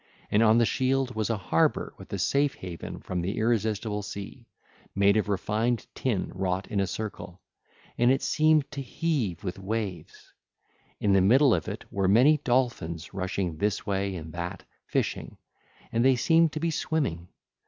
(ll. 207 215) And on the shield was a harbour with a safe haven from the irresistible sea, made of refined tin wrought in a circle, and it seemed to heave with waves. In the middle of it were many dolphins rushing this way and that, fishing: and they seemed to be swimming.